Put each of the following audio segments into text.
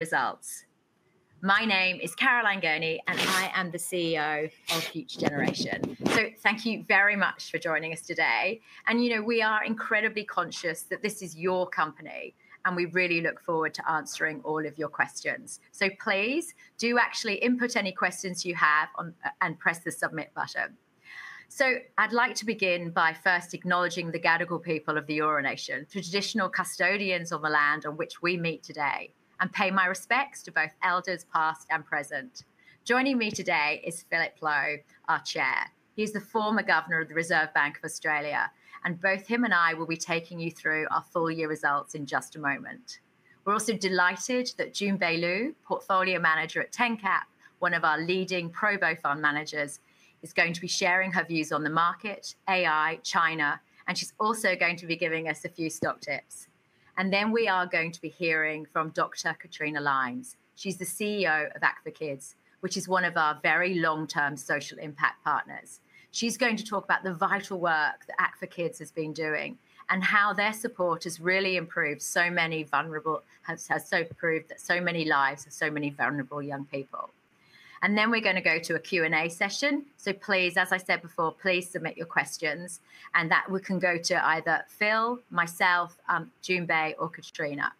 results. My name is Caroline Gurney, and I am the CEO of Future Generation. Thank you very much for joining us today. You know, we are incredibly conscious that this is your company, and we really look forward to answering all of your questions. Please do actually input any questions you have and press the submit button. I would like to begin by first acknowledging the Gadigal people of the Eora Nation, the traditional custodians of the land on which we meet today, and pay my respects to both elders past and present. Joining me today is Philip Lowe, our Chair. He is the former Governor of the Reserve Bank of Australia, and both he and I will be taking you through our full year results in just a moment. We're also delighted that Jun Bei Liu, portfolio manager at Ten Cap, one of our leading pro bono fund managers, is going to be sharing her views on the market, AI, China, and she's also going to be giving us a few stock tips. We are going to be hearing from Dr. Katrina Lines. She's the CEO of Act for Kids, which is one of our very long-term social impact partners. She's going to talk about the vital work that Act for Kids has been doing and how their support has really improved so many lives of so many vulnerable young people. We are going to go to a Q&A session. Please, as I said before, submit your questions, and we can go to either Phil, myself, Jun Bei, or Katrina.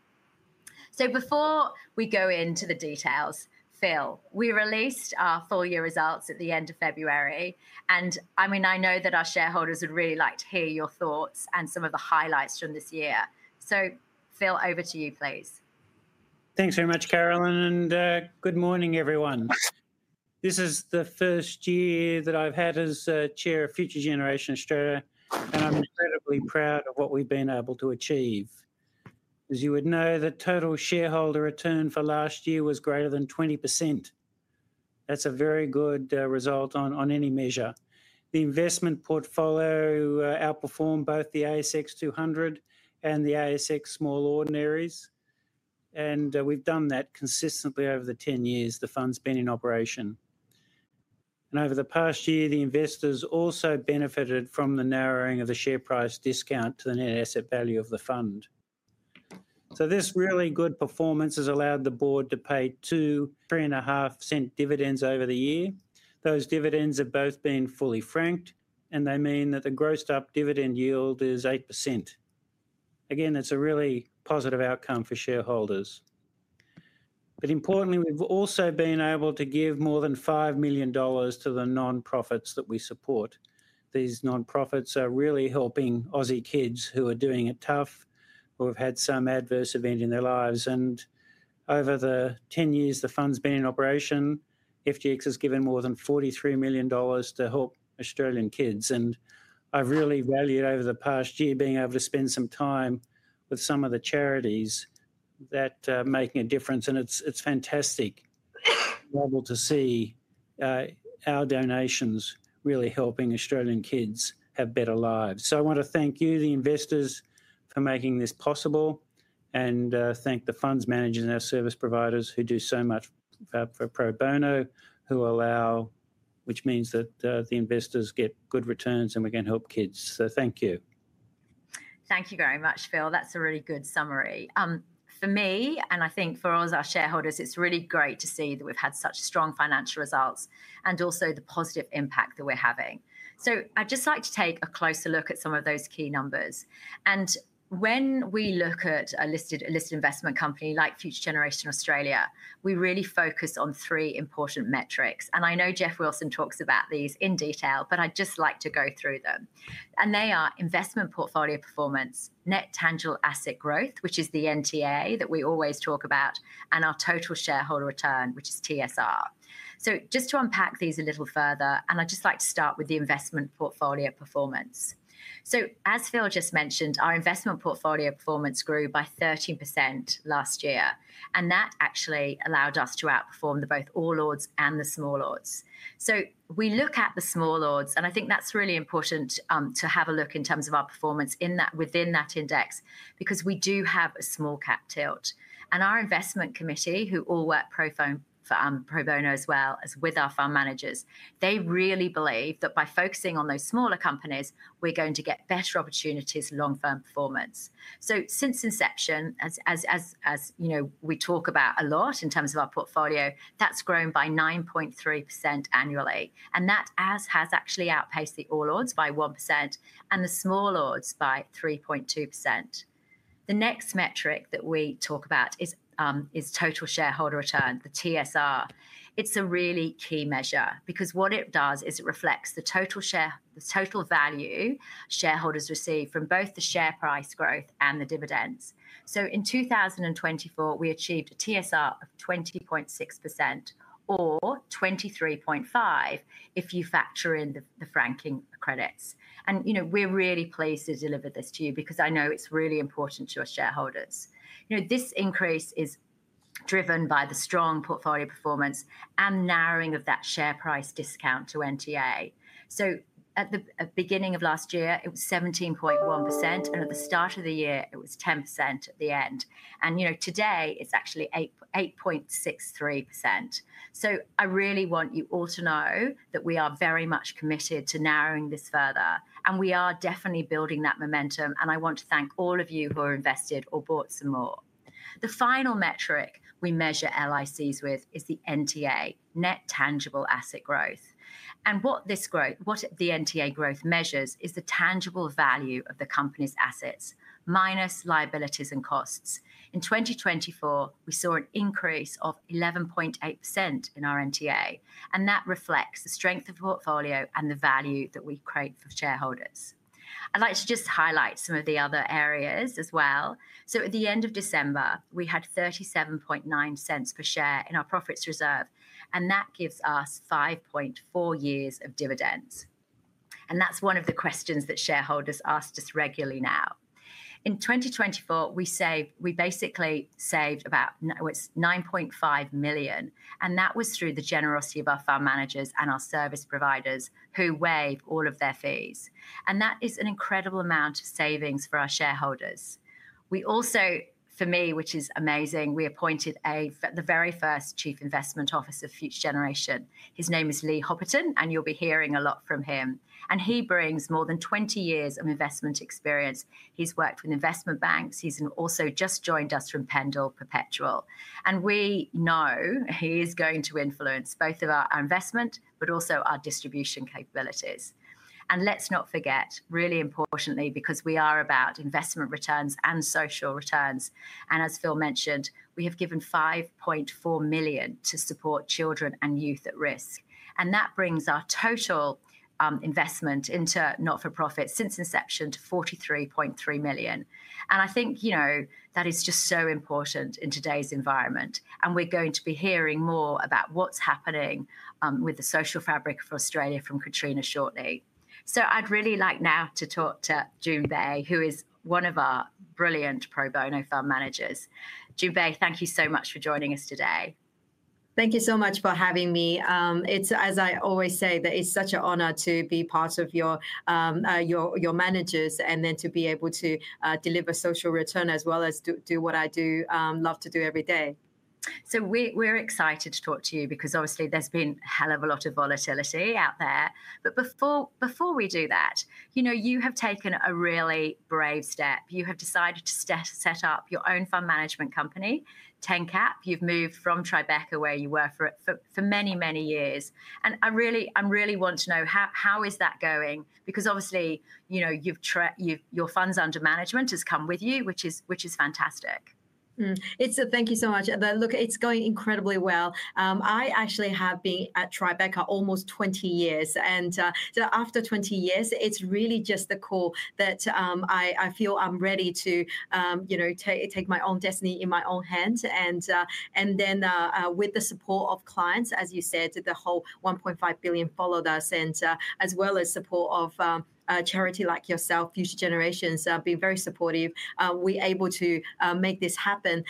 Before we go into the details, Phil, we released our full year results at the end of February, and I mean, I know that our shareholders would really like to hear your thoughts and some of the highlights from this year. Phil, over to you, please. Thanks very much, Caroline, and good morning, everyone. This is the first year that I've had as Chair of Future Generation Australia, and I'm incredibly proud of what we've been able to achieve. As you would know, the total shareholder return for last year was greater than 20%. That's a very good result on any measure. The investment portfolio outperformed both the ASX 200 and the ASX Small Ordinaries, and we've done that consistently over the 10 years the fund's been in operation. Over the past year, the investors also benefited from the narrowing of the share price discount to the net asset value of the fund. This really good performance has allowed the board to pay 0.025 dividends over the year. Those dividends have both been fully franked, and they mean that the grossed up dividend yield is 8%. Again, that's a really positive outcome for shareholders. Importantly, we've also been able to give more than 5 million dollars to the nonprofits that we support. These nonprofits are really helping Aussie kids who are doing it tough, who have had some adverse event in their lives. Over the 10 years the fund's been in operation, FGX has given more than 43 million dollars to help Australian kids. I've really valued over the past year being able to spend some time with some of the charities that are making a difference, and it's fantastic to be able to see our donations really helping Australian kids have better lives. I want to thank you, the investors, for making this possible, and thank the funds managers and our service providers who do so much pro bono, who allow, which means that the investors get good returns and we can help kids. So thank you. Thank you very much, Phil. That's a really good summary. For me, and I think for all of our shareholders, it's really great to see that we've had such strong financial results and also the positive impact that we're having. I would just like to take a closer look at some of those key numbers. When we look at a listed investment company like Future Generation Australia, we really focus on three important metrics. I know Geoff Wilson talks about these in detail, but I would just like to go through them. They are Investment Portfolio Performance, Net Tangible Asset Growth, which is the NTA that we always talk about, and our Total Shareholder Return, which is TSR. Just to unpack these a little further, I would just like to start with the investment portfolio performance. As Phil just mentioned, our Investment Portfolio Performance grew by 13% last year, and that actually allowed us to outperform both All Ords and the Small Ords. We look at the Small Ords, and I think that's really important to have a look in terms of our performance within that index, because we do have a small cap tilt. Our investment committee, who all work pro bono as well as with our fund managers, they really believe that by focusing on those smaller companies, we're going to get better opportunities, long-term performance. Since inception, as you know, we talk about a lot in terms of our portfolio, that's grown by 9.3% annually. That has actually outpaced the All Ords by 1% and the Small Ords by 3.2%. The next metric that we talk about is Total Shareholder Return, the TSR. It's a really key measure because what it does is it reflects the total value shareholders receive from both the share price growth and the dividends. In 2024, we achieved a TSR of 20.6% or 23.5% if you factor in the franking credits. We're really pleased to deliver this to you because I know it's really important to our shareholders. This increase is driven by the strong portfolio performance and narrowing of that share price discount to NTA. At the beginning of last year, it was 17.1%, and at the start of the year, it was 10% at the end. Today, it's actually 8.63%. I really want you all to know that we are very much committed to narrowing this further, and we are definitely building that momentum. I want to thank all of you who are invested or bought some more. The final metric we measure LICs with is the NTA, Net Tangible Asset Growth. What the NTA growth measures is the tangible value of the company's assets minus liabilities and costs. In 2024, we saw an increase of 11.8% in our NTA, and that reflects the strength of the portfolio and the value that we create for shareholders. I would like to just highlight some of the other areas as well. At the end of December, we had 0.379 per share in our profits reserve, and that gives us 5.4 years of dividends. That is one of the questions that shareholders ask us regularly now. In 2024, we basically saved about 9.5 million, and that was through the generosity of our fund managers and our service providers who waive all of their fees. That is an incredible amount of savings for our shareholders. We also, for me, which is amazing, we appointed the very first Chief Investment Officer of Future Generation. His name is Lee Hopperton, and you'll be hearing a lot from him. He brings more than 20 years of investment experience. He's worked with investment banks. He's also just joined us from Pendal Perpetual. We know he is going to influence both of our investment, but also our distribution capabilities. Let's not forget, really importantly, because we are about investment returns and social returns. As Phil mentioned, we have given 5.4 million to support children and youth at risk. That brings our total investment into not-for-profits since inception to 43.3 million. I think that is just so important in today's environment. We're going to be hearing more about what's happening with the social fabric for Australia from Katrina shortly. I'd really like now to talk to Jun Bei, who is one of our brilliant pro bono fund managers. Jun Bei, thank you so much for joining us today. Thank you so much for having me. It's, as I always say, that it's such an honor to be part of your managers and then to be able to deliver social return as well as do what I do love to do every day. We're excited to talk to you because obviously there's been a hell of a lot of volatility out there. Before we do that, you have taken a really brave step. You have decided to set up your own fund management company, Ten Cap. You've moved from Tribeca where you were for many, many years. I really want to know how is that going? Because obviously your funds under management has come with you, which is fantastic. Thank you so much. Look, it's going incredibly well. I actually have been at Tribeca almost 20 years. After 20 years, it's really just the core that I feel I'm ready to take my own destiny in my own hands. With the support of clients, as you said, the whole $1.5 billion followed us, and as well as support of charity like yourself, Future Generation being very supportive, we're able to make this happen.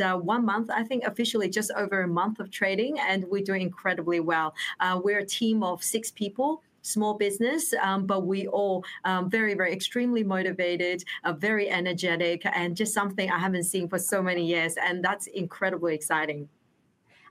One month, I think officially just over a month of trading, and we're doing incredibly well. We're a team of six people, small business, but we all very, very extremely motivated, very energetic, and just something I haven't seen for so many years. That's incredibly exciting.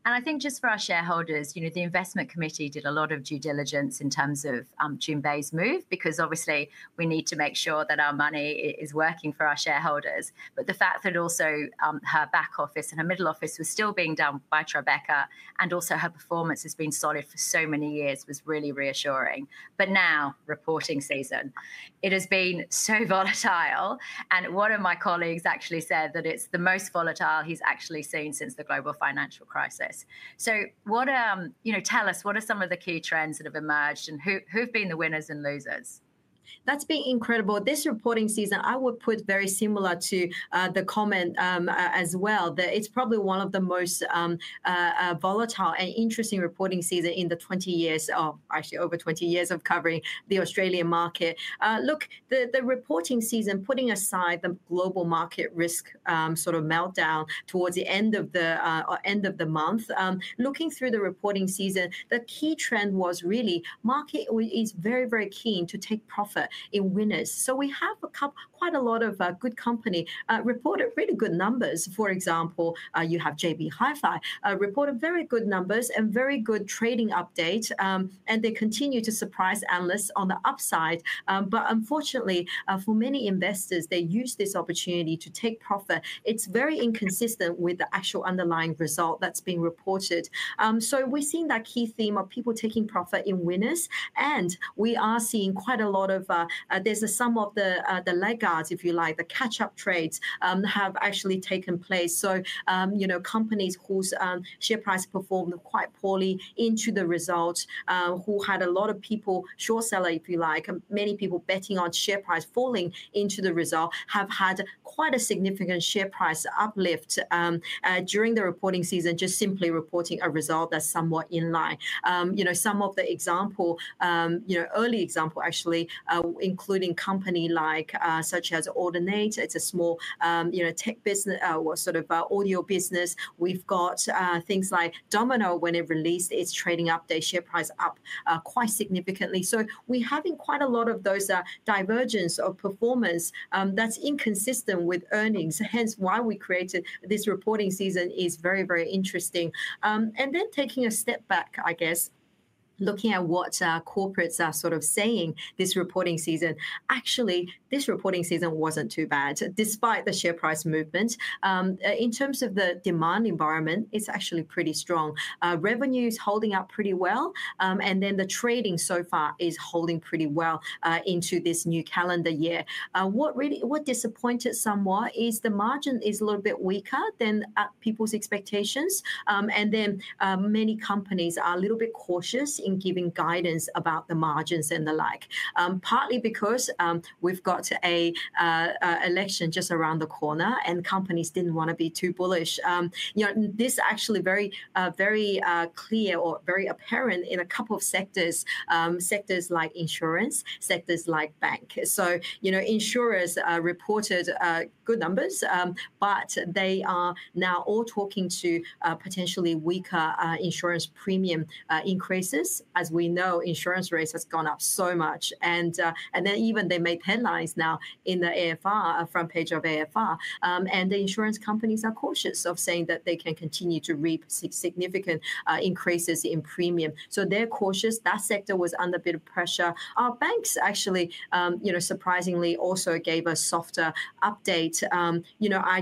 I think just for our shareholders, the investment committee did a lot of due diligence in terms of Jun Bei's move because obviously we need to make sure that our money is working for our shareholders. The fact that also her back office and her middle office were still being done by Tribeca and also her performance has been solid for so many years was really reassuring. Now, reporting season. It has been so volatile. One of my colleagues actually said that it's the most volatile he's actually seen since the global financial crisis. Tell us, what are some of the key trends that have emerged and who've been the winners and losers? That's been incredible. This reporting season, I would put very similar to the comment as well, that it's probably one of the most volatile and interesting reporting season in the 20 years, actually over 20 years of covering the Australian market. Look, the reporting season, putting aside the global market risk sort of meltdown towards the end of the month, looking through the reporting season, the key trend was really market is very, very keen to take profit in winners. We have quite a lot of good company reported really good numbers. For example, you have JB Hi-Fi reported very good numbers and very good trading updates. They continue to surprise analysts on the upside. Unfortunately, for many investors, they use this opportunity to take profit. It's very inconsistent with the actual underlying result that's being reported. We're seeing that key theme of people taking profit in winners. We are seeing quite a lot of, there's some of the laggards, if you like, the catch-up trades have actually taken place. Companies whose share price performed quite poorly into the result, who had a lot of people short seller, if you like, many people betting on share price falling into the result, have had quite a significant share price uplift during the reporting season, just simply reporting a result that's somewhat in line. Some of the example, early example actually, including company like such as Audinate. It's a small tech business or sort of audio business. We've got things like Domino when it released its trading up, their share price up quite significantly. We're having quite a lot of those divergence of performance that's inconsistent with earnings. Hence why we created this reporting season is very, very interesting. Then taking a step back, I guess, looking at what corporates are sort of saying this reporting season, actually this reporting season was not too bad despite the share price movement. In terms of the demand environment, it is actually pretty strong. Revenues holding up pretty well. Then the trading so far is holding pretty well into this new calendar year. What disappointed somewhat is the margin is a little bit weaker than people's expectations. Then many companies are a little bit cautious in giving guidance about the margins and the like, partly because we have got an election just around the corner and companies did not want to be too bullish. This is actually very clear or very apparent in a couple of sectors, sectors like insurance, sectors like bank. Insurers reported good numbers, but they are now all talking to potentially weaker insurance premium increases. As we know, insurance rates have gone up so much. Even they made headlines now in the AFR, front page of AFR. The insurance companies are cautious of saying that they can continue to reap significant increases in premium. They are cautious. That sector was under a bit of pressure. Our banks actually, surprisingly, also gave a softer update.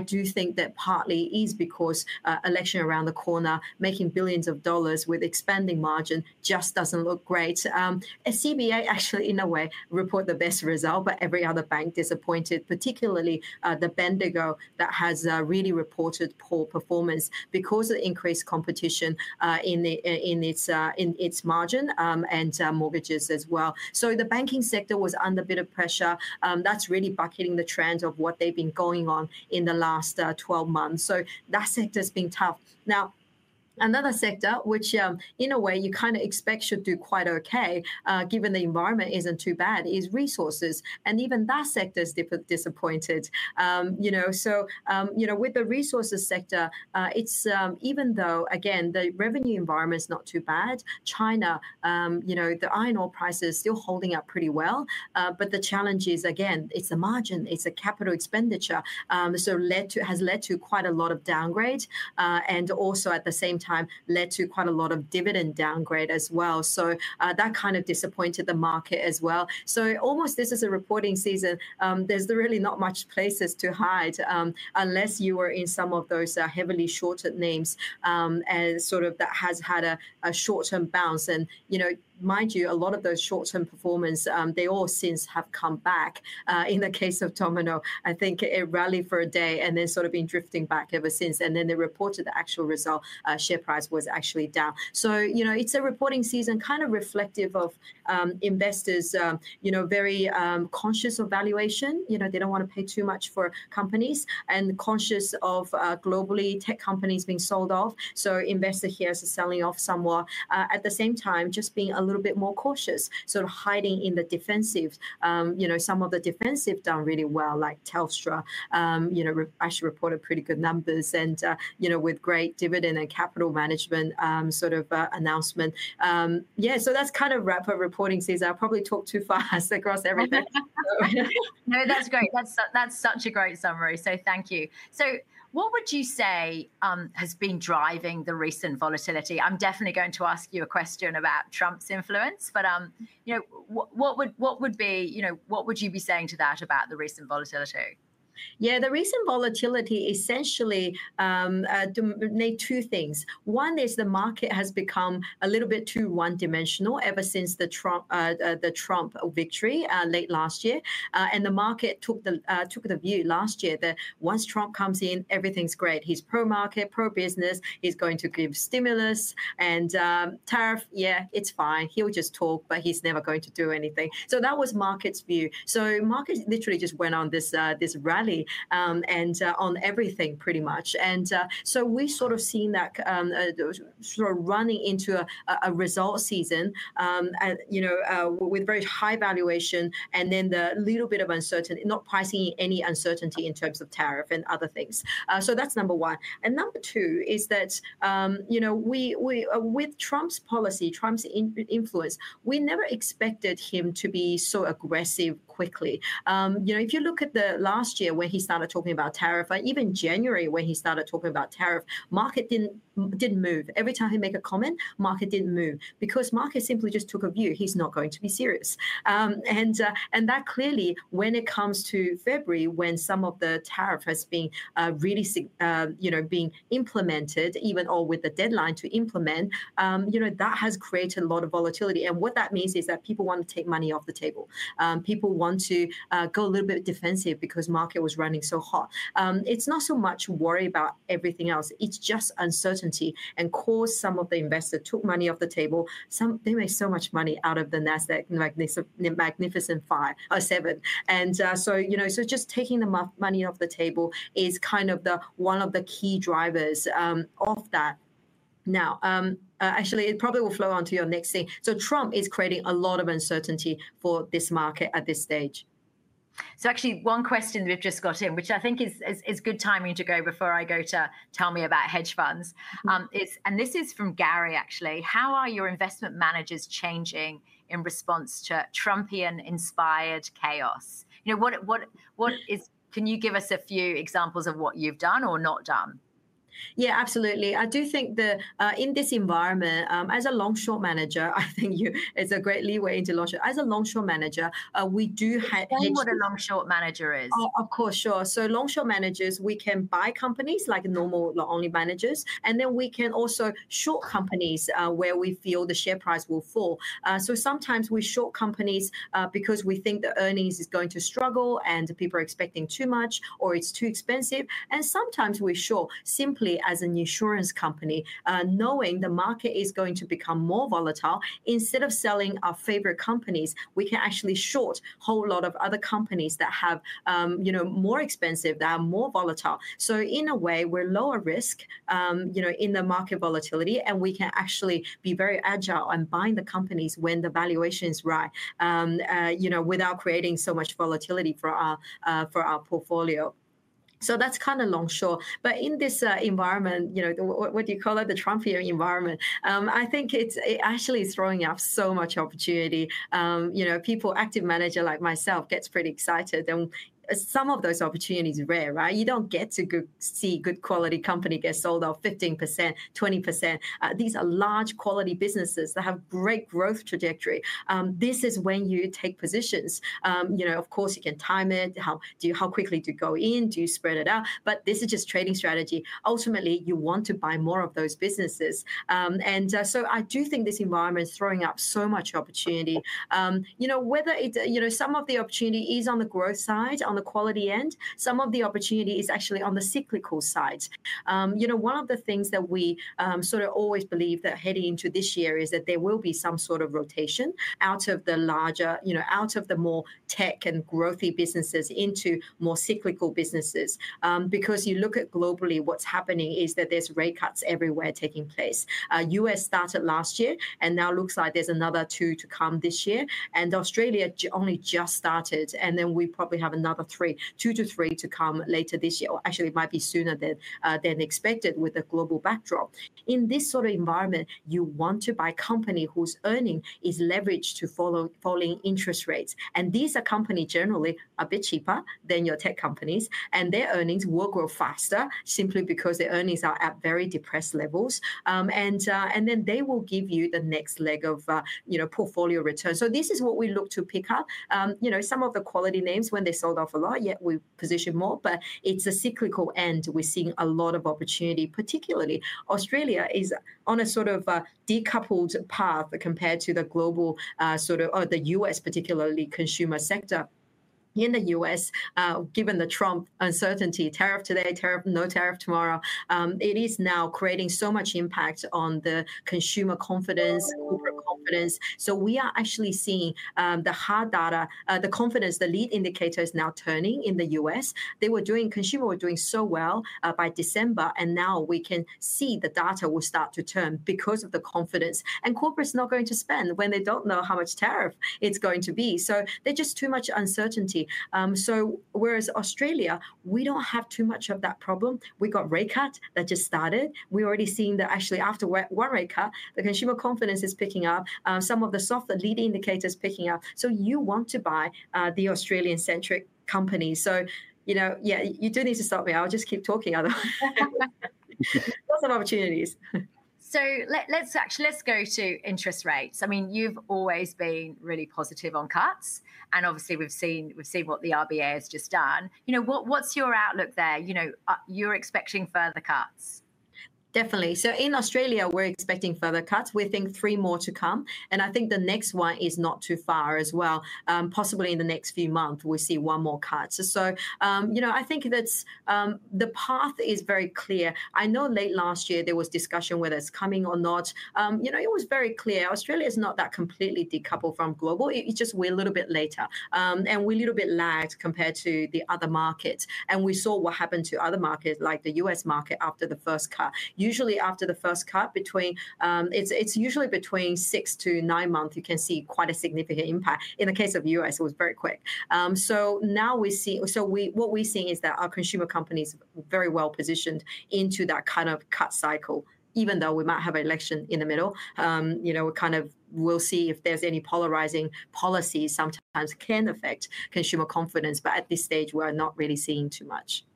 I do think that partly is because election around the corner, making billions of dollars with expanding margin just does not look great. CBA actually, in a way, reported the best result, but every other bank disappointed, particularly Bendigo that has really reported poor performance because of increased competition in its margin and mortgages as well. The banking sector was under a bit of pressure. That's really bucketing the trends of what they've been going on in the last 12 months. That sector has been tough. Now, another sector, which in a way you kind of expect should do quite okay given the environment isn't too bad, is resources. Even that sector is disappointed. With the resources sector, even though, again, the revenue environment is not too bad, China, the iron ore prices are still holding up pretty well. The challenge is, again, it's a margin, it's a capital expenditure. Has led to quite a lot of downgrade and also at the same time led to quite a lot of dividend downgrade as well. That kind of disappointed the market as well. Almost this is a reporting season. There's really not much places to hide unless you were in some of those heavily shorted names and sort of that has had a short-term bounce. Mind you, a lot of those short-term performance, they all since have come back. In the case of Domino's Pizza, I think it rallied for a day and then sort of been drifting back ever since. They reported the actual result, share price was actually down. It is a reporting season kind of reflective of investors, very conscious of valuation. They do not want to pay too much for companies and conscious of globally tech companies being sold off. Investor here is selling off somewhat. At the same time, just being a little bit more cautious, sort of hiding in the defensive. Some of the defensive done really well, like Telstra, actually reported pretty good numbers and with great dividend and capital management sort of announcement. Yeah, so that's kind of wrap up reporting season. I probably talked too fast across everything. No, that's great. That's such a great summary. Thank you. What would you say has been driving the recent volatility? I'm definitely going to ask you a question about Trump's influence, but what would you be saying to that about the recent volatility? Yeah, the recent volatility essentially to make two things. One is the market has become a little bit too one-dimensional ever since the Trump victory late last year. The market took the view last year that once Trump comes in, everything's great. He's pro-market, pro-business. He's going to give stimulus and tariff. Yeah, it's fine. He'll just talk, but he's never going to do anything. That was market's view. Market literally just went on this rally and on everything pretty much. We've sort of seen that sort of running into a result season with very high valuation and then the little bit of uncertainty, not pricing any uncertainty in terms of tariff and other things. That's number one. Number two is that with Trump's policy, Trump's influence, we never expected him to be so aggressive quickly. If you look at the last year when he started talking about tariff, even January when he started talking about tariff, market did not move. Every time he made a comment, market did not move because market simply just took a view. He is not going to be serious. That clearly when it comes to February, when some of the tariff has been really being implemented, even all with the deadline to implement, that has created a lot of volatility. What that means is that people want to take money off the table. People want to go a little bit defensive because market was running so hot. It is not so much worry about everything else. It is just uncertainty and caused some of the investors took money off the table. They made so much money out of the Nasdaq, Magnificent Five or Seven. Just taking the money off the table is kind of one of the key drivers of that. Actually, it probably will flow on to your next thing. Trump is creating a lot of uncertainty for this market at this stage. If you look at the last year when he started talking about tariff, even January when he Yeah, absolutely. I do think that in this environment, as a long-short manager, I think it's a great leeway into long-short. As a long-short manager, we do have. Tell me what a long-short manager is. Of course, sure. Long-short managers, we can buy companies like normal only managers. Then we can also short companies where we feel the share price will fall. Sometimes we short companies because we think the earnings is going to struggle and people are expecting too much or it is too expensive. Sometimes we short simply as an insurance company, knowing the market is going to become more volatile. Instead of selling our favorite companies, we can actually short a whole lot of other companies that are more expensive, that are more volatile. In a way, we are lower risk in the market volatility and we can actually be very agile and buying the companies when the valuation is right without creating so much volatility for our portfolio. That is kind of long-short. In this environment, what do you call it? The Trumpian environment. I think it actually is throwing off so much opportunity. Active manager like myself gets pretty excited. And some of those opportunities are rare, right? You do not get to see good quality company get sold off 15%-20%. These are large quality businesses that have great growth trajectory. This is when you take positions. Of course, you can time it. How quickly do you go in? Do you spread it out? But this is just trading strategy. Ultimately, you want to buy more of those businesses. I do think this environment is throwing up so much opportunity. Whether some of the opportunity is on the growth side, on the quality end, some of the opportunity is actually on the cyclical side. One of the things that we sort of always believe that heading into this year is that there will be some sort of rotation out of the larger, out of the more tech and growthy businesses into more cyclical businesses. Because you look at globally, what's happening is that there's rate cuts everywhere taking place. U.S. started last year and now looks like there's another two to come this year. And Australia only just started. We probably have another two to three to come later this year. Actually, it might be sooner than expected with the global backdrop. In this sort of environment, you want to buy a company whose earning is leveraged to following interest rates. These are companies generally a bit cheaper than your tech companies. Their earnings will grow faster simply because their earnings are at very depressed levels. They will give you the next leg of portfolio return. This is what we look to pick up. Some of the quality names when they sold off a lot, yet we position more. It is a cyclical end. We are seeing a lot of opportunity, particularly Australia is on a sort of decoupled path compared to the global, sort of the U.S., particularly consumer sector. In the U.S., given the Trump uncertainty, tariff today, tariff, no tariff tomorrow, it is now creating so much impact on the consumer confidence, corporate confidence. We are actually seeing the hard data, the confidence, the lead indicators now turning in the U.S. They were doing, consumer were doing so well by December. Now we can see the data will start to turn because of the confidence. Corporate's not going to spend when they don't know how much tariff it's going to be. There's just too much uncertainty. Whereas Australia, we don't have too much of that problem. We got rate cut that just started. We're already seeing that actually after one rate cut, the consumer confidence is picking up, some of the soft lead indicators picking up. You want to buy the Australian-centric companies. You do need to stop me. I'll just keep talking otherwise. Lots of opportunities. Let's actually go to interest rates. I mean, you've always been really positive on cuts. And obviously we've seen what the RBA has just done. What's your outlook there? You're expecting further cuts. Definitely. In Australia, we're expecting further cuts. We think three more to come. I think the next one is not too far as well. Possibly in the next few months, we'll see one more cut. I think that the path is very clear. I know late last year there was discussion whether it's coming or not. It was very clear. Australia is not that completely decoupled from global. It's just we're a little bit later. We're a little bit lagged compared to the other markets. We saw what happened to other markets like the U.S. market after the first cut. Usually after the first cut, it's usually between six to nine months, you can see quite a significant impact. In the case of the U.S., it was very quick. What we're seeing is that our consumer companies are very well positioned into that kind of cut cycle, even though we might have an election in the middle. We'll see if there's any polarizing policies sometimes can affect consumer confidence. At this stage, we're not really seeing too much.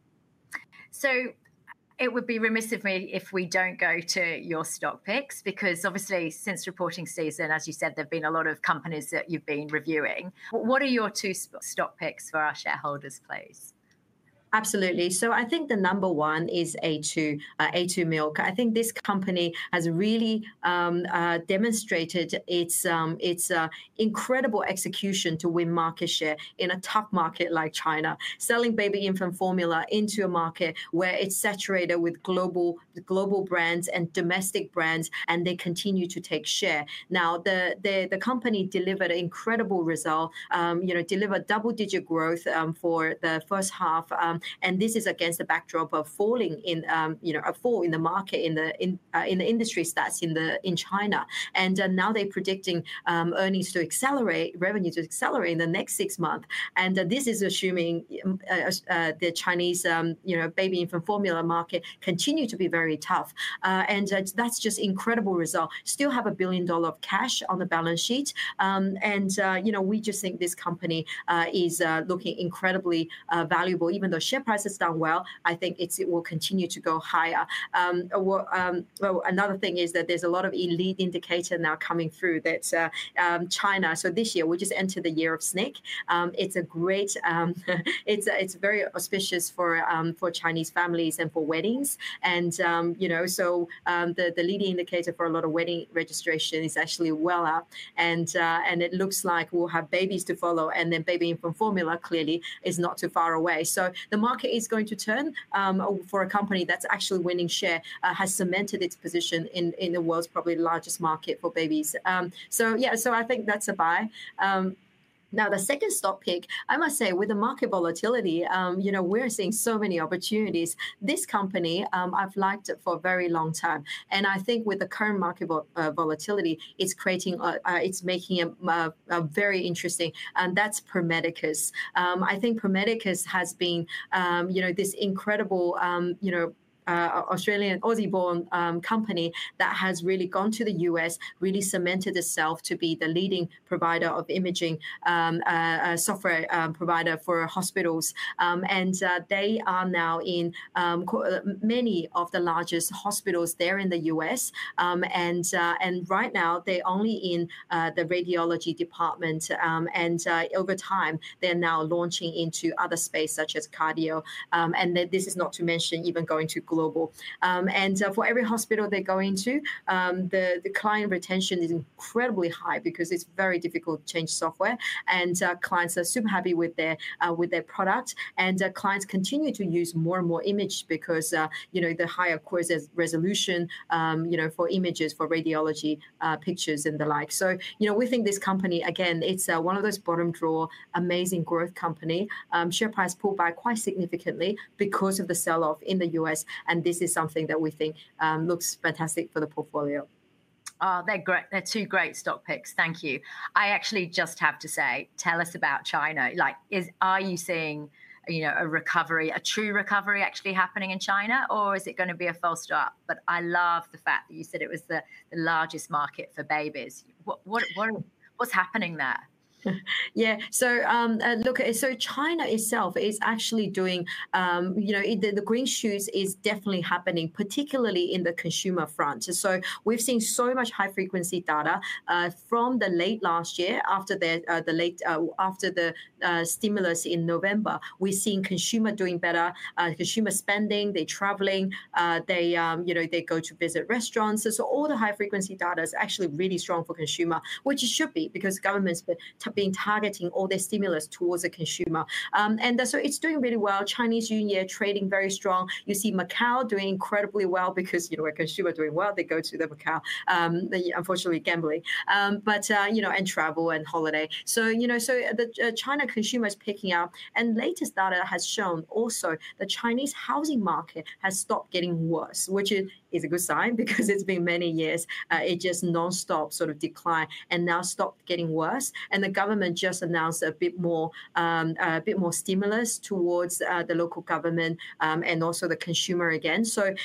It would be remiss of me if we do not go to your stock picks because obviously since reporting season, as you said, there have been a lot of companies that you have been reviewing. What are your two stock picks for our shareholders, please? Absolutely. I think the number one is a2 Milk. I think this company has really demonstrated its incredible execution to win market share in a tough market like China, selling baby infant formula into a market where it is saturated with global brands and domestic brands, and they continue to take share. Now, the company delivered an incredible result, delivered double-digit growth for the first half. This is against the backdrop of a fall in the market, in the industry stats in China. Now they are predicting earnings to accelerate, revenues to accelerate in the next six months. This is assuming the Chinese baby infant formula market continues to be very tough. That is just an incredible result. Still have a billion dollars of cash on the balance sheet. We just think this company is looking incredibly valuable. Even though share price has done well, I think it will continue to go higher. Another thing is that there's a lot of lead indicator now coming through that's China. This year, we just entered the Year of Snake. It's great, it's very auspicious for Chinese families and for weddings. The leading indicator for a lot of wedding registration is actually well up. It looks like we'll have babies to follow. Baby infant formula clearly is not too far away. The market is going to turn for a company that's actually winning share, has cemented its position in the world's probably largest market for babies. I think that's a buy. The second stock pick, I must say with the market volatility, we're seeing so many opportunities. This company I've liked for a very long time. I think with the current market volatility, it's creating, it's making a very interesting, and that's Pro Medicus. I think Pro Medicus has been this incredible Australian Aussie-born company that has really gone to the U.S., really cemented itself to be the leading provider of imaging software provider for hospitals. They are now in many of the largest hospitals there in the U.S.. Right now, they're only in the radiology department. Over time, they're now launching into other space such as cardio. This is not to mention even going to global. For every hospital they go into, the client retention is incredibly high because it's very difficult to change software. Clients are super happy with their product. Clients continue to use more and more image because the higher resolution for images, for radiology pictures and the like. We think this company, again, it's one of those bottom drawer, amazing growth company. Share Price pulled back quite significantly because of the sell-off in the U.S.. This is something that we think looks fantastic for the portfolio. They're great. They're two great stock picks. Thank you. I actually just have to say, tell us about China. Are you seeing a recovery, a true recovery actually happening in China, or is it going to be a false start? I love the fact that you said it was the largest market for babies. What's happening there? Yeah. So look, China itself is actually doing, the green shoots is definitely happening, particularly in the consumer front. We've seen so much high-frequency data from late last year after the stimulus in November. We're seeing consumer doing better, consumer spending, they're traveling, they go to visit restaurants. All the high-frequency data is actually really strong for consumer, which it should be because governments have been targeting all their stimulus towards the consumer. It's doing really well. Chinese New Year trading very strong. You see Macau doing incredibly well because consumer doing well, they go to Macau, unfortunately gambling, but and travel and holiday. China consumer is picking up. Latest data has shown also the Chinese housing market has stopped getting worse, which is a good sign because it's been many years, it just nonstop sort of decline and now stopped getting worse. The government just announced a bit more stimulus towards the local government and also the consumer again. There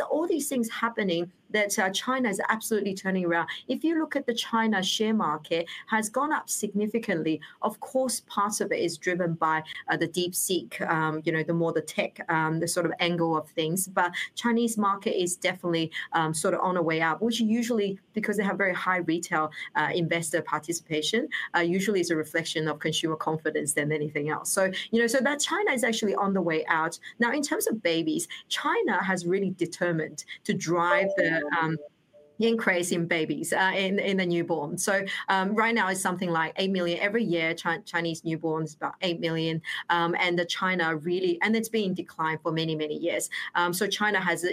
are all these things happening that China is absolutely turning around. If you look at the China Share Market, has gone up significantly. Of course, part of it is driven by the DeepSeek, the more the tech, the sort of angle of things. Chinese market is definitely sort of on the way out, which usually because they have very high retail investor participation, usually is a reflection of consumer confidence than anything else. That China is actually on the way out. Now, in terms of babies, China has really determined to drive the increase in babies and the newborns. Right now it's something like eight million every year, Chinese newborns, about eight million. China really, and it's been declined for many, many years. China has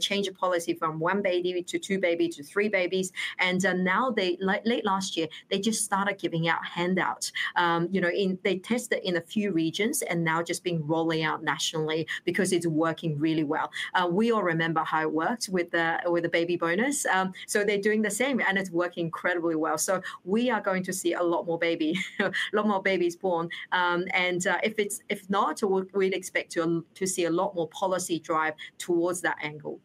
changed policy from one baby to two babies to three babies. Late last year, they just started giving out handouts. They tested in a few regions and now just been rolling out nationally because it's working really well. We all remember how it worked with the baby bonus. They're doing the same and it's working incredibly well. We are going to see a lot more baby, a lot more babies born. If not, we'd expect to see a lot more policy drive towards that angle.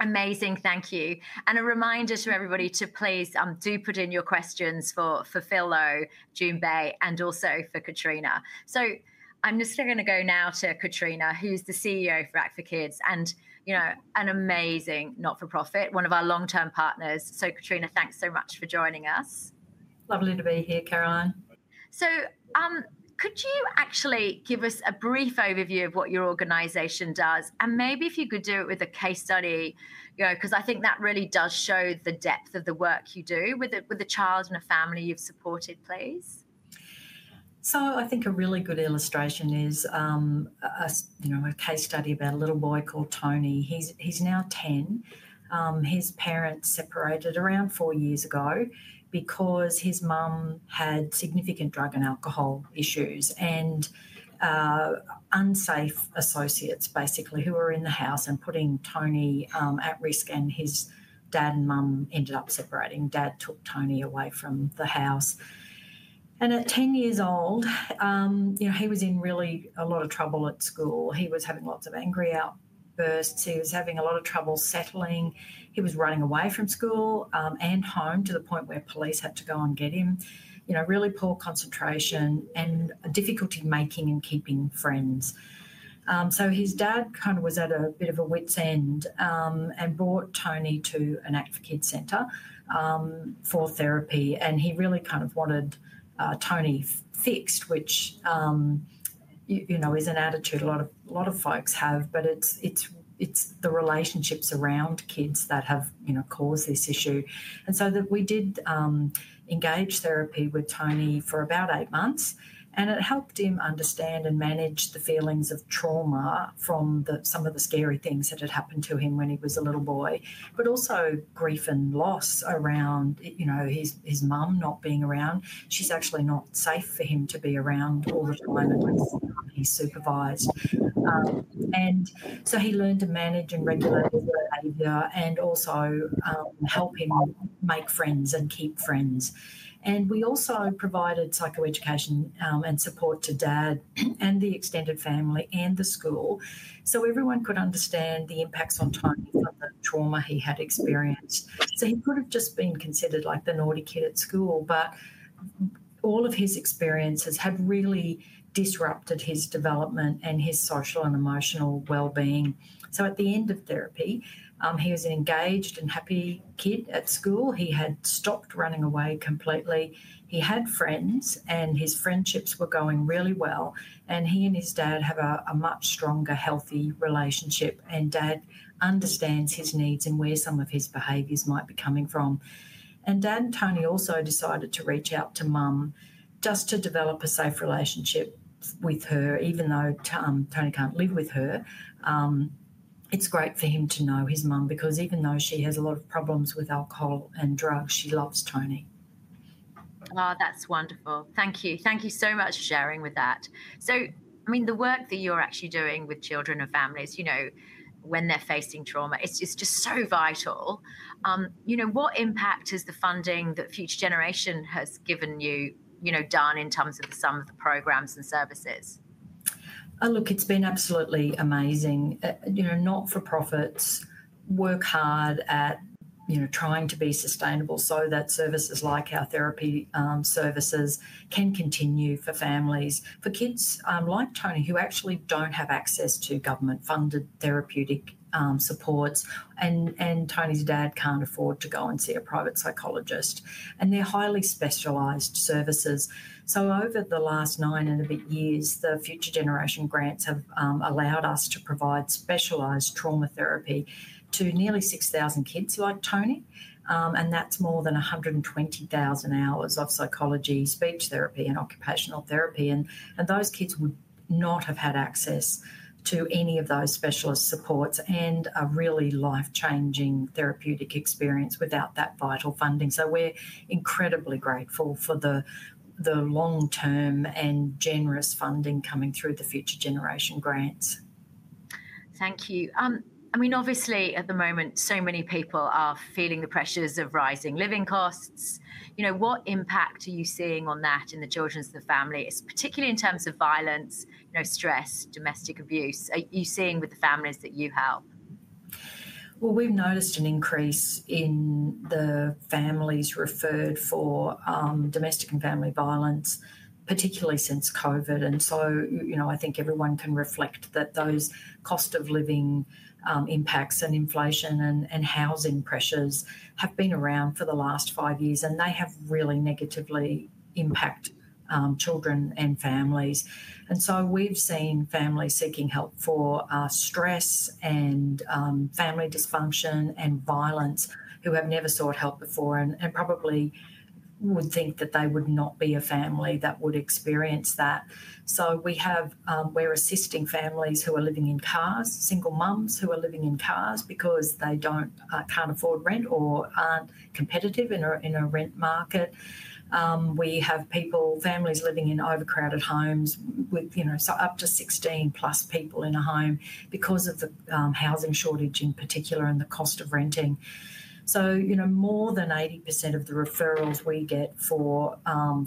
Amazing. Thank you. A reminder to everybody to please do put in your questions for Phil Lowe, Jun Bei, and also for Katrina. I am just going to go now to Katrina, who's the CEO for Act for Kids and an amazing not-for-profit, one of our long-term partners. Katrina, thanks so much for joining us. Lovely to be here, Caroline. Could you actually give us a brief overview of what your organization does? Maybe if you could do it with a case study, because I think that really does show the depth of the work you do with a child and a family you've supported, please. I think a really good illustration is a case study about a little boy called Tony. He's now 10. His parents separated around four years ago because his mom had significant drug and alcohol issues and unsafe associates basically who were in the house and putting Tony at risk. His dad and mom ended up separating. Dad took Tony away from the house. At 10 years old, he was in really a lot of trouble at school. He was having lots of angry outbursts. He was having a lot of trouble settling. He was running away from school and home to the point where police had to go and get him. Really poor concentration and difficulty making and keeping friends. His dad kind of was at a bit of a wits end and brought Tony to an Act for Kids Center for therapy. He really kind of wanted Tony fixed, which is an attitude a lot of folks have, but it's the relationships around kids that have caused this issue. We did engage therapy with Tony for about eight months. It helped him understand and manage the feelings of trauma from some of the scary things that had happened to him when he was a little boy, but also grief and loss around his mom not being around. She's actually not safe for him to be around all the time unless he's supervised. He learned to manage and regulate his behavior and also help him make friends and keep friends. We also provided psychoeducation and support to dad and the extended family and the school so everyone could understand the impacts on Tony from the trauma he had experienced. He could have just been considered like the naughty kid at school, but all of his experiences had really disrupted his development and his social and emotional well-being. At the end of therapy, he was an engaged and happy kid at school. He had stopped running away completely. He had friends and his friendships were going really well. He and his dad have a much stronger, healthy relationship. Dad understands his needs and where some of his behaviors might be coming from. Dad and Tony also decided to reach out to mom just to develop a safe relationship with her, even though Tony can't live with her. It's great for him to know his mom because even though she has a lot of problems with alcohol and drugs, she loves Tony. Oh, that's wonderful. Thank you. Thank you so much for sharing with that. I mean, the work that you're actually doing with children and families when they're facing trauma, it's just so vital. What impact has the funding that Future Generation has given you done in terms of the sum of the programs and services? Look, it's been absolutely amazing. Not-for-profits work hard at trying to be sustainable so that services like our therapy services can continue for families, for kids like Tony who actually don't have access to government-funded therapeutic supports. Tony's dad can't afford to go and see a private psychologist. They're highly specialized services. Over the last nine and a bit years, the Future Generation grants have allowed us to provide specialized trauma therapy to nearly 6,000 kids like Tony. That's more than 120,000 hours of psychology, speech therapy, and occupational therapy. Those kids would not have had access to any of those specialist supports and a really life-changing therapeutic experience without that vital funding. We're incredibly grateful for the long-term and generous funding coming through the Future Generation grants. Thank you. I mean, obviously at the moment, so many people are feeling the pressures of rising living costs. What impact are you seeing on that in the children, the family, particularly in terms of violence, stress, domestic abuse? Are you seeing with the families that you help? We have noticed an increase in the families referred for domestic and family violence, particularly since COVID. I think everyone can reflect that those cost of living impacts and inflation and housing pressures have been around for the last five years. They have really negatively impacted children and families. We have seen families seeking help for stress and family dysfunction and violence who have never sought help before and probably would think that they would not be a family that would experience that. We are assisting families who are living in cars, single moms who are living in cars because they cannot afford rent or are not competitive in a rent market. We have people, families living in overcrowded homes with up to 16+ people in a home because of the housing shortage in particular and the cost of renting. More than 80% of the referrals we get for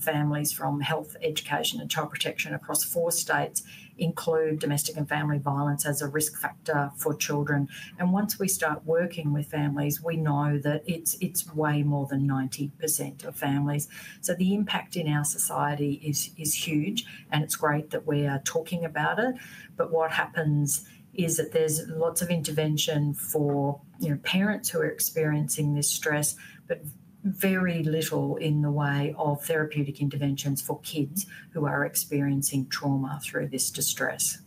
families from health, education, and child protection across four states include domestic and family violence as a risk factor for children. Once we start working with families, we know that it is way more than 90% of families. The impact in our society is huge. It is great that we are talking about it. What happens is that there is lots of intervention for parents who are experiencing this stress, but very little in the way of therapeutic interventions for kids who are experiencing trauma through this distress.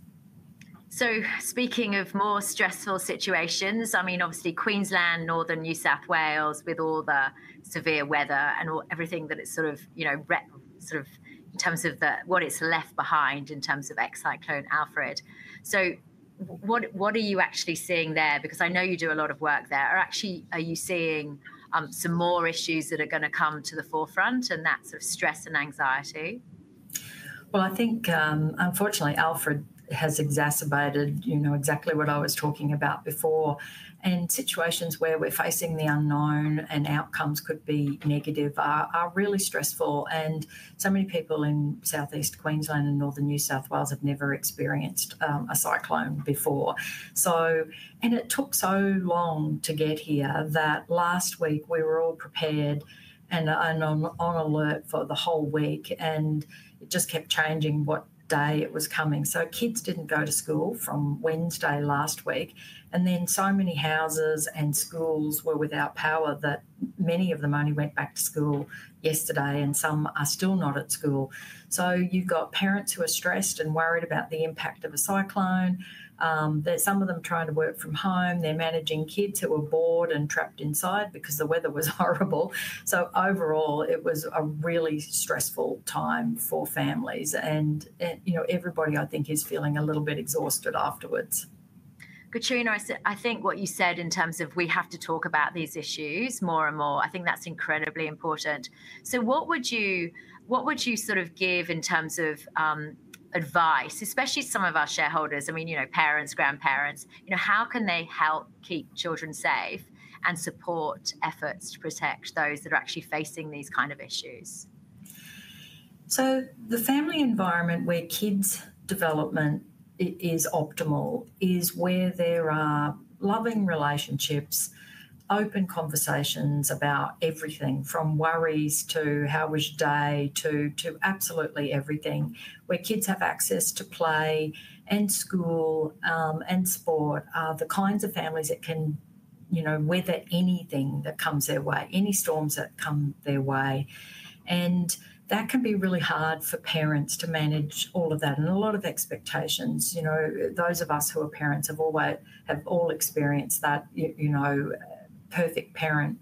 Speaking of more stressful situations, I mean, obviously Queensland, Northern New South Wales with all the severe weather and everything that it's sort of in terms of what it's left behind in terms of Cyclone Alfred. What are you actually seeing there? Because I know you do a lot of work there. Are you seeing some more issues that are going to come to the forefront and that sort of stress and anxiety? I think unfortunately Alfred has exacerbated exactly what I was talking about before. Situations where we're facing the unknown and outcomes could be negative are really stressful. So many people in Southeast Queensland and Northern New South Wales have never experienced a Cyclone before. It took so long to get here that last week we were all prepared and on alert for the whole week. It just kept changing what day it was coming. Kids did not go to school from Wednesday last week. So many houses and schools were without power that many of them only went back to school yesterday and some are still not at school. You have parents who are stressed and worried about the impact of a Cyclone, some of them trying to work from home. They’re managing kids who were bored and trapped inside because the weather was horrible. Overall, it was a really stressful time for families. Everybody I think is feeling a little bit exhausted afterwards. Katrina, I think what you said in terms of we have to talk about these issues more and more, I think that's incredibly important. What would you sort of give in terms of advice, especially some of our shareholders, I mean, parents, grandparents, how can they help keep children safe and support efforts to protect those that are actually facing these kinds of issues? The family environment where kids' development is optimal is where there are loving relationships, open conversations about everything from worries to how was your day to absolutely everything, where kids have access to play and school and sport, the kinds of families that can weather anything that comes their way, any storms that come their way. That can be really hard for parents to manage all of that and a lot of expectations. Those of us who are parents have all experienced that perfect parent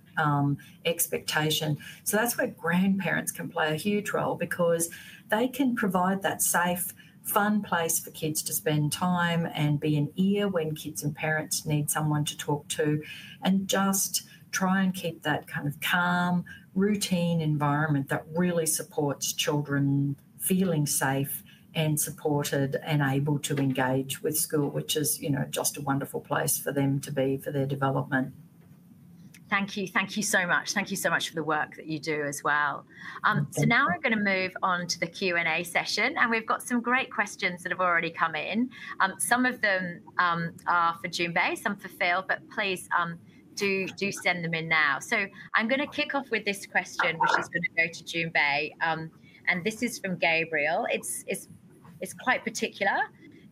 expectation. That is where grandparents can play a huge role because they can provide that safe, fun place for kids to spend time and be an ear when kids and parents need someone to talk to and just try and keep that kind of calm, routine environment that really supports children feeling safe and supported and able to engage with school, which is just a wonderful place for them to be for their development. Thank you. Thank you so much. Thank you so much for the work that you do as well. Now we're going to move on to the Q&A session. We've got some great questions that have already come in. Some of them are for Jun Bei, some for Phil, but please do send them in now. I'm going to kick off with this question, which is going to go to Jun Bei. This is from Gabriel. It's quite particular.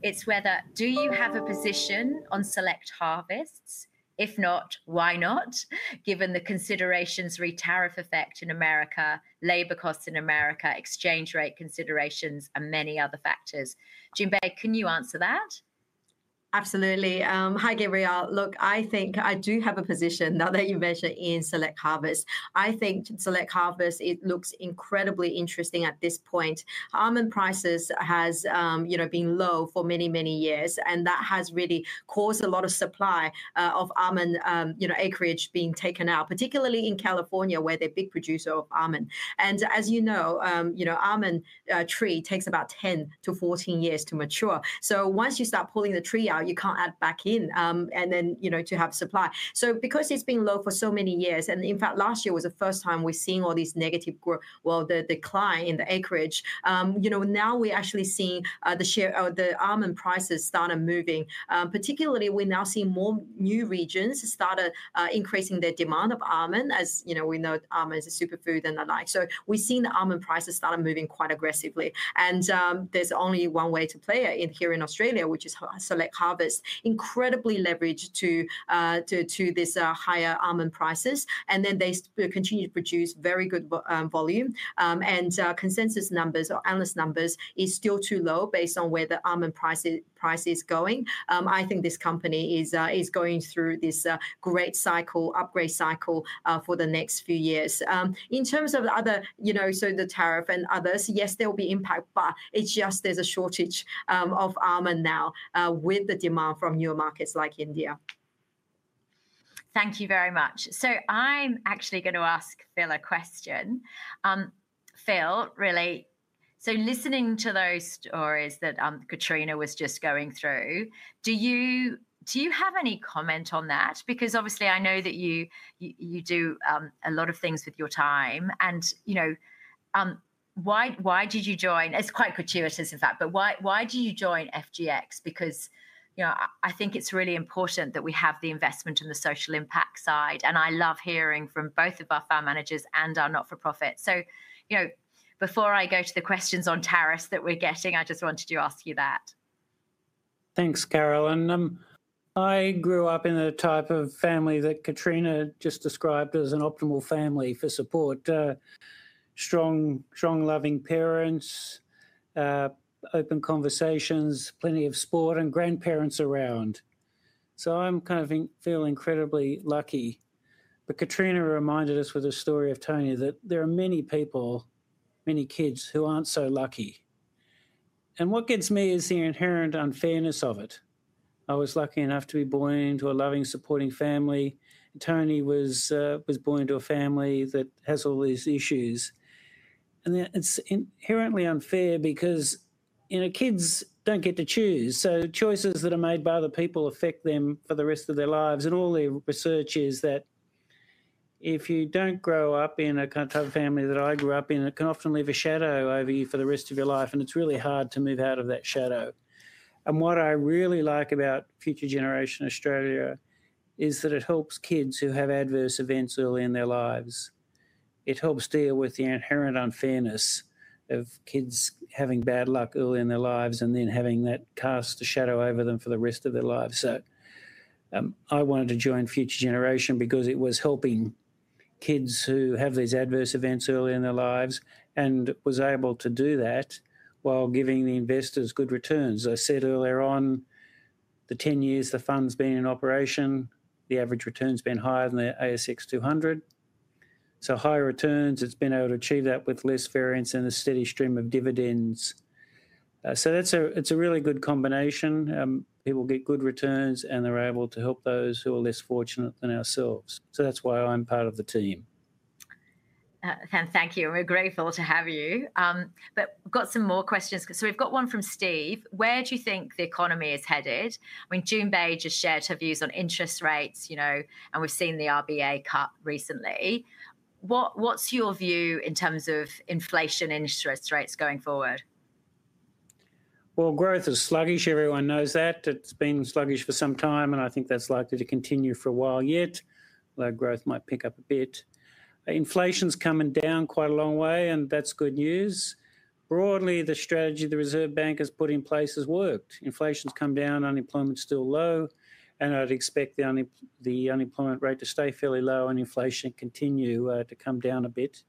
It's whether, do you have a position on Select Harvests? If not, why not? Given the considerations, retariff effect in America, labor costs in America, exchange rate considerations, and many other factors. Jun Bei, can you answer that? Absolutely. Hi, Gabriel. Look, I think I do have a position now that you mentioned in Select Harvests. I think Select Harvests, it looks incredibly interesting at this point. Almond prices have been low for many, many years. That has really caused a lot of supply of almond acreage being taken out, particularly in California where they're a big producer of almond. As you know, almond tree takes about 10 to 14 years to mature. Once you start pulling the tree out, you can't add back in and then to have supply. Because it's been low for so many years, and in fact, last year was the first time we're seeing all these negative, well, the decline in the acreage, now we're actually seeing the almond prices started moving. Particularly, we're now seeing more new regions started increasing their demand of almond as we know almond is a superfood and the like. We have seen the almond prices started moving quite aggressively. There is only one way to play it here in Australia, which is Select Harvests, incredibly leveraged to these higher almond prices. They continue to produce very good volume. Consensus numbers or analyst numbers are still too low based on where the almond price is going. I think this company is going through this great cycle, upgrade cycle for the next few years. In terms of other, so the tariff and others, yes, there will be impact, but it is just there is a shortage of almond now with the demand from newer markets like India. Thank you very much. I'm actually going to ask Phil a question. Phil, really, listening to those stories that Katrina was just going through, do you have any comment on that? Because obviously I know that you do a lot of things with your time. Why did you join? It's quite gratuitous, in fact, but why did you join FGX? I think it's really important that we have the investment and the social impact side. I love hearing from both of our fund managers and our not-for-profit. Before I go to the questions on tariffs that we're getting, I just wanted to ask you that. Thanks, Caroline. I grew up in the type of family that Katrina just described as an optimal family for support, strong, loving parents, open conversations, plenty of sport, and grandparents around. I am kind of feeling incredibly lucky. Katrina reminded us with the story of Tony that there are many people, many kids who are not so lucky. What gets me is the inherent unfairness of it. I was lucky enough to be born into a loving, supporting family. Tony was born into a family that has all these issues. It is inherently unfair because kids do not get to choose. Choices that are made by other people affect them for the rest of their lives. All the research is that if you don't grow up in a kind of family that I grew up in, it can often leave a shadow over you for the rest of your life. It is really hard to move out of that shadow. What I really like about Future Generation Australia is that it helps kids who have adverse events early in their lives. It helps deal with the inherent unfairness of kids having bad luck early in their lives and then having that cast a shadow over them for the rest of their lives. I wanted to join Future Generation because it was helping kids who have these adverse events early in their lives and was able to do that while giving the investors good returns. I said earlier on, the 10 years the fund's been in operation, the average return's been higher than the ASX 200. Higher returns, it's been able to achieve that with less variance and a steady stream of dividends. It's a really good combination. People get good returns and they're able to help those who are less fortunate than ourselves. That's why I'm part of the team. Thank you. We're grateful to have you. We've got some more questions. We've got one from Steve. Where do you think the economy is headed? I mean, Jun Bei just shared her views on interest rates, and we've seen the RBA cut recently. What's your view in terms of inflation and interest rates going forward? Growth is sluggish. Everyone knows that. It's been sluggish for some time. I think that's likely to continue for a while yet. Low growth might pick up a bit. Inflation's coming down quite a long way, and that's good news. Broadly, the strategy the Reserve Bank has put in place has worked. Inflation's come down, unemployment's still low. I'd expect the unemployment rate to stay fairly low and inflation continue to come down a bit.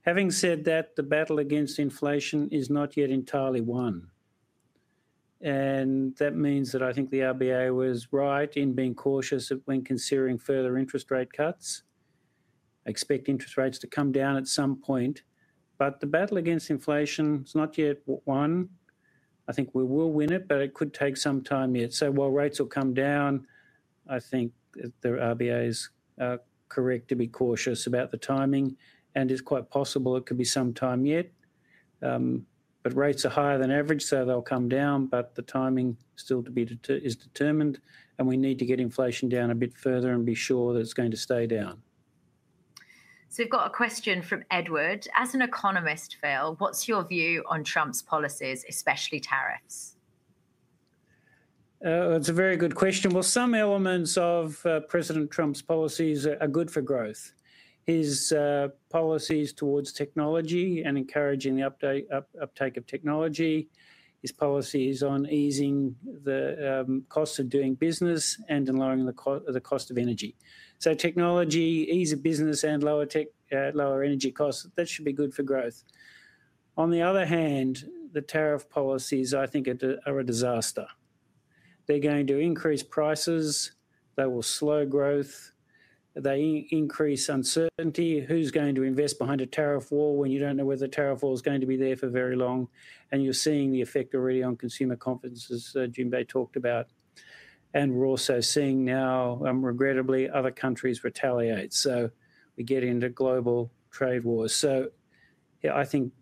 Having said that, the battle against inflation is not yet entirely won. That means that I think the RBA was right in being cautious when considering further interest rate cuts. Expect interest rates to come down at some point. The battle against inflation is not yet won. I think we will win it, but it could take some time yet. While rates will come down, I think the RBA is correct to be cautious about the timing. It is quite possible it could be some time yet. Rates are higher than average, so they will come down. The timing still is determined. We need to get inflation down a bit further and be sure that it is going to stay down. We've got a question from Edward. As an economist, Phil, what's your view on Trump's policies, especially tariffs? That's a very good question. Some elements of President Trump's policies are good for growth. His policies towards technology and encouraging the uptake of technology, his policies on easing the costs of doing business and lowering the cost of energy. Technology, ease of business, and lower energy costs should be good for growth. On the other hand, the tariff policies, I think, are a disaster. They're going to increase prices. They will slow growth. They increase uncertainty. Who's going to invest behind a tariff wall when you don't know whether the tariff wall is going to be there for very long? You are seeing the effect already on consumer confidence, as Jun Bei talked about. We are also seeing now, regrettably, other countries retaliate. We get into global trade wars. I think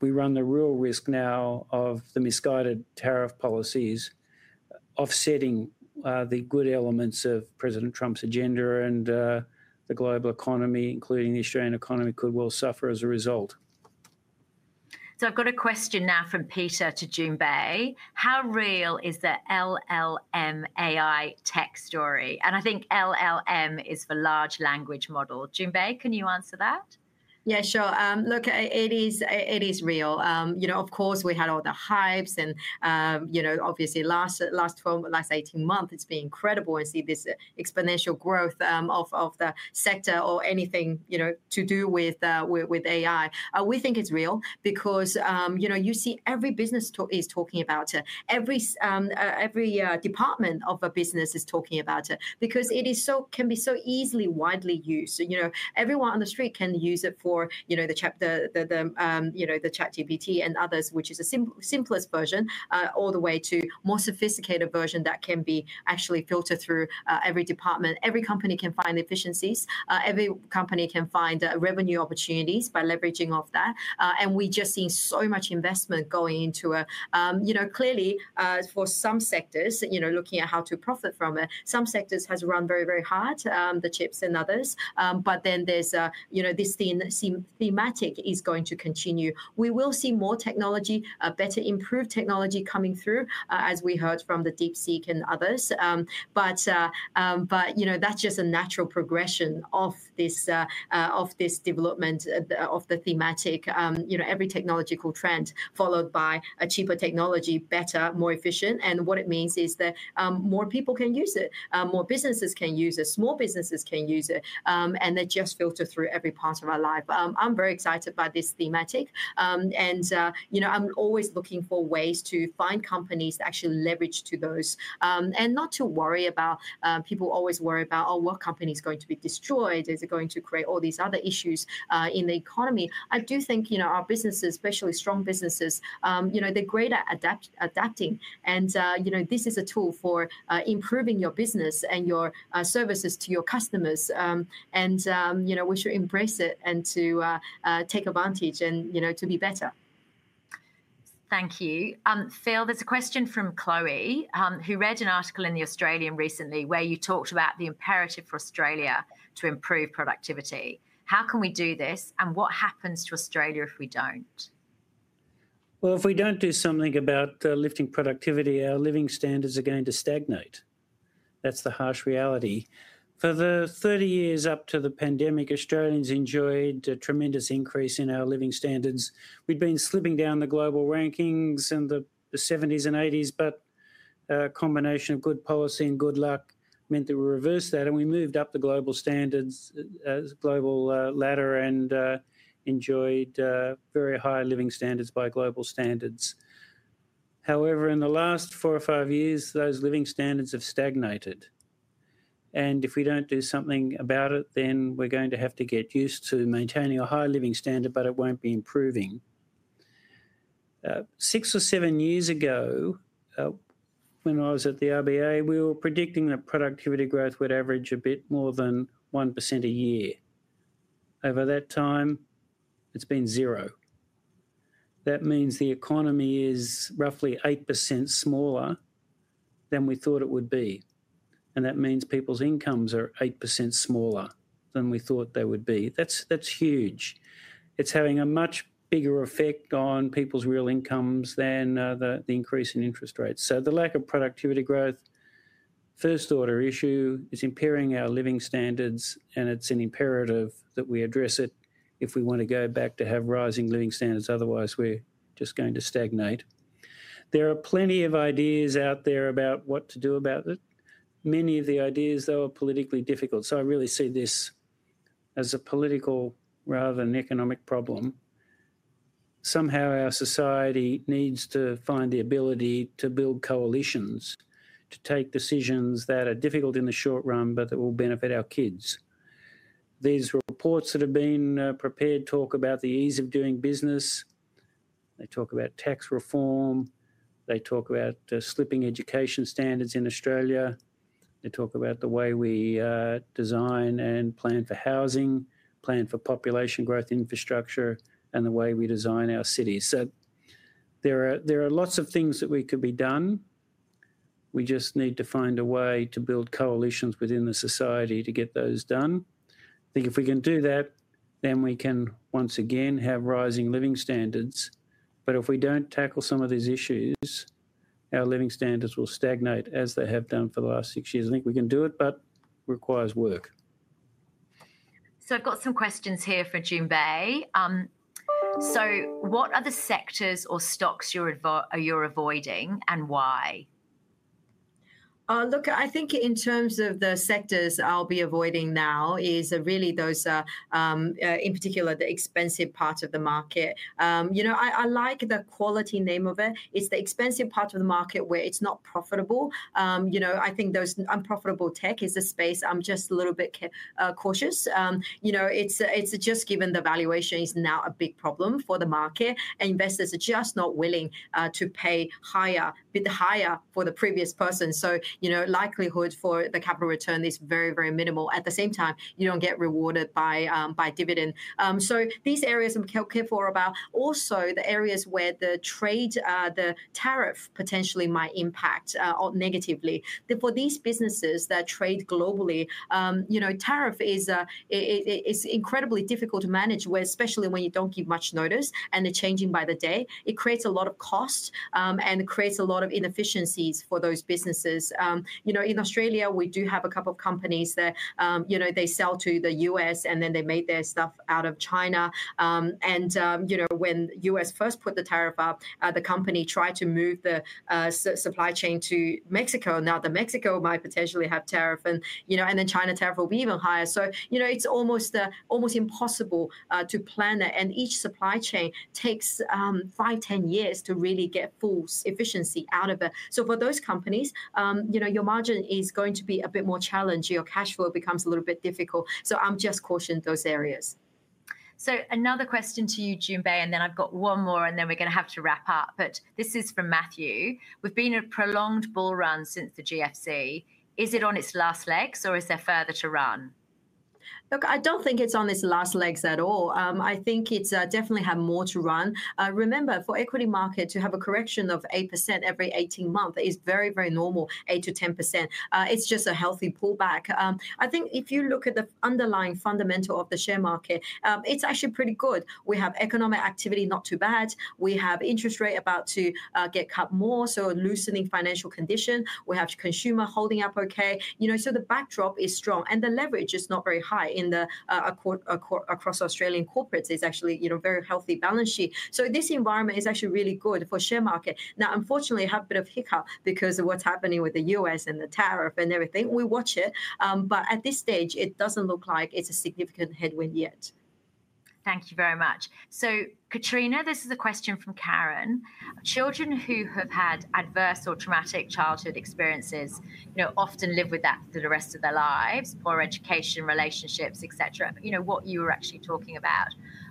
we run the real risk now of the misguided tariff policies offsetting the good elements of President Trump's agenda. The global economy, including the Australian economy, could well suffer as a result. I have got a question now from Peter to Jun Bei. How real is the LLM AI tech story? I think LLM is for Large Language Model. Jun Bei, can you answer that? Yeah, sure. Look, it is real. Of course, we had all the hypes. Obviously, last 18 months, it's been incredible. You see this exponential growth of the sector or anything to do with AI. We think it's real because you see every business is talking about it. Every department of a business is talking about it because it can be so easily widely used. Everyone on the street can use it for the ChatGPT and others, which is a simplest version, all the way to a more sophisticated version that can be actually filtered through every department. Every company can find efficiencies. Every company can find revenue opportunities by leveraging off that. We're just seeing so much investment going into it. Clearly, for some sectors, looking at how to profit from it, some sectors have run very, very hard, the chips and others. There is this thematic that is going to continue. We will see more technology, better improved technology coming through, as we heard from DeepSeek and others. That is just a natural progression of this development of the thematic, every technological trend followed by a cheaper technology, better, more efficient. What it means is that more people can use it, more businesses can use it, small businesses can use it. They just filter through every part of our life. I am very excited by this thematic. I am always looking for ways to find companies that actually leverage to those and not to worry about people always worry about, oh, what company is going to be destroyed? Is it going to create all these other issues in the economy? I do think our businesses, especially strong businesses, they are great at adapting. This is a tool for improving your business and your services to your customers. We should embrace it and take advantage and to be better. Thank you. Phil, there's a question from Chloe, who read an article in The Australian recently where you talked about the imperative for Australia to improve productivity. How can we do this? What happens to Australia if we don't? If we do not do something about lifting productivity, our living standards are going to stagnate. That is the harsh reality. For the 30 years up to the pandemic, Australians enjoyed a tremendous increase in our living standards. We had been slipping down the global rankings in the 1970s and 1980s. A combination of good policy and good luck meant that we reversed that. We moved up the global ladder and enjoyed very high living standards by global standards. However, in the last four or five years, those living standards have stagnated. If we do not do something about it, then we are going to have to get used to maintaining a high living standard, but it will not be improving. Six or seven years ago, when I was at the RBA, we were predicting that productivity growth would average a bit more than 1% a year. Over that time, it's been zero. That means the economy is roughly 8% smaller than we thought it would be. That means people's incomes are 8% smaller than we thought they would be. That's huge. It's having a much bigger effect on people's real incomes than the increase in interest rates. The lack of productivity growth, first-order issue, is impairing our living standards. It's an imperative that we address it if we want to go back to have rising living standards. Otherwise, we're just going to stagnate. There are plenty of ideas out there about what to do about it. Many of the ideas, though, are politically difficult. I really see this as a political rather than economic problem. Somehow, our society needs to find the ability to build coalitions to take decisions that are difficult in the short run, but that will benefit our kids. These reports that have been prepared talk about the ease of doing business. They talk about tax reform. They talk about slipping education standards in Australia. They talk about the way we design and plan for housing, plan for population growth infrastructure, and the way we design our cities. There are lots of things that could be done. We just need to find a way to build coalitions within the society to get those done. I think if we can do that, then we can once again have rising living standards. If we do not tackle some of these issues, our living standards will stagnate as they have done for the last six years. I think we can do it, but it requires work. I've got some questions here for Jun Bei. What are the sectors or stocks you're avoiding and why? Look, I think in terms of the sectors I'll be avoiding now is really those, in particular, the expensive part of the market. I like the quality name of it. It's the expensive part of the market where it's not profitable. I think unprofitable tech is a space I'm just a little bit cautious. It's just given the valuation is now a big problem for the market. Investors are just not willing to pay higher, a bit higher for the previous person. So likelihood for the capital return is very, very minimal. At the same time, you don't get rewarded by dividend. These areas I'm careful about. Also, the areas where the trade, the tariff potentially might impact negatively. For these businesses that trade globally, tariff is incredibly difficult to manage, especially when you don't give much notice. They're changing by the day. It creates a lot of costs and creates a lot of inefficiencies for those businesses. In Australia, we do have a couple of companies that they sell to the U.S., and then they made their stuff out of China. When the U.S. first put the tariff up, the company tried to move the supply chain to Mexico. Now, Mexico might potentially have tariff. Then China tariff will be even higher. It is almost impossible to plan it. Each supply chain takes five-10 years to really get full efficiency out of it. For those companies, your margin is going to be a bit more challenged. Your cash flow becomes a little bit difficult. I am just cautioning those areas. Another question to you, Jun Bei. I have one more, and then we're going to have to wrap up. This is from Matthew. We've been in a prolonged bull run since the GFC. Is it on its last legs, or is there further to run? Look, I don't think it's on its last legs at all. I think it definitely has more to run. Remember, for equity markets to have a correction of 8% every 18 months is very, very normal, 8%-10%. It's just a healthy pullback. I think if you look at the underlying fundamental of the share market, it's actually pretty good. We have economic activity not too bad. We have interest rates about to get cut more. Loosening financial condition. We have consumer holding up okay. The backdrop is strong. The leverage is not very high across Australian corporates. It's actually a very healthy balance sheet. This environment is actually really good for the share market. Now, unfortunately, we have a bit of hiccup because of what's happening with the U.S. and the tariff and everything. We watch it. At this stage, it doesn't look like it's a significant headwind yet. Thank you very much. Katrina, this is a question from Karen. Children who have had adverse or traumatic childhood experiences often live with that for the rest of their lives, poor education, relationships, et cetera, what you were actually talking about.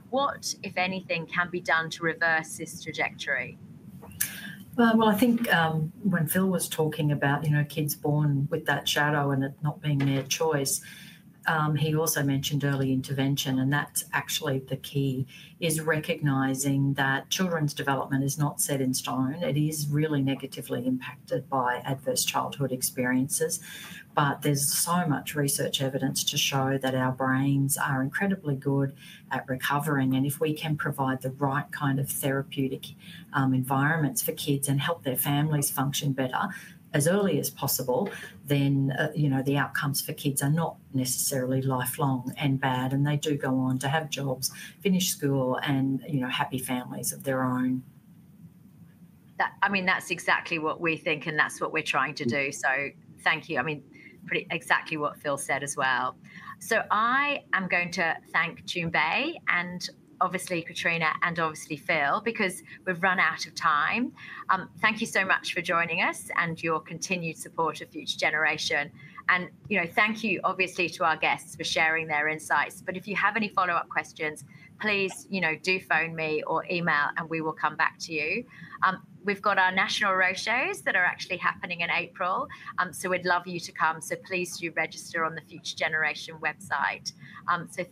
What, if anything, can be done to reverse this trajectory? I think when Phil was talking about kids born with that shadow and it not being their choice, he also mentioned early intervention. That is actually the key, recognizing that children's development is not set in stone. It is really negatively impacted by adverse childhood experiences. There is so much research evidence to show that our brains are incredibly good at recovering. If we can provide the right kind of therapeutic environments for kids and help their families function better as early as possible, the outcomes for kids are not necessarily lifelong and bad. They do go on to have jobs, finish school, and happy families of their own. I mean, that's exactly what we think, and that's what we're trying to do. Thank you. I mean, exactly what Phil said as well. I am going to thank Jun Bei and obviously Katrina and obviously Phil because we've run out of time. Thank you so much for joining us and your continued support of Future Generation. Thank you, obviously, to our guests for sharing their insights. If you have any follow up questions, please do phone me or email, and we will come back to you. We've got our national roadshows that are actually happening in April. We'd love you to come. Please do register on the Future Generation website.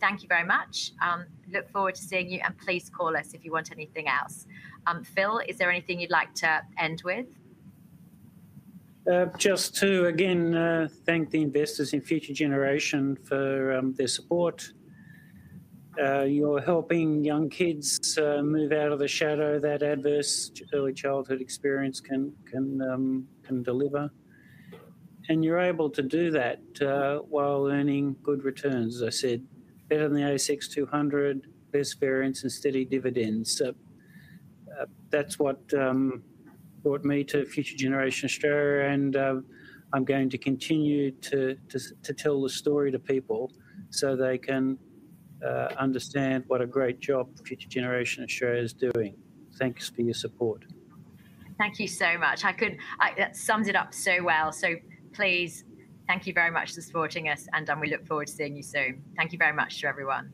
Thank you very much. Look forward to seeing you. Please call us if you want anything else. Phil, is there anything you'd like to end with? Just to, again, thank the investors in Future Generation for their support. You're helping young kids move out of the shadow that adverse early childhood experience can deliver. You're able to do that while earning good returns, as I said, better than the ASX 200, less variance, and steady dividends. That's what brought me to Future Generation Australia. I'm going to continue to tell the story to people so they can understand what a great job Future Generation Australia is doing. Thanks for your support. Thank you so much. That sums it up so well. Please, thank you very much for supporting us. We look forward to seeing you soon. Thank you very much to everyone.